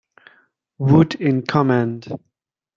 Wood in command.